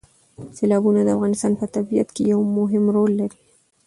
سیلابونه د افغانستان په طبیعت کې یو مهم رول لري.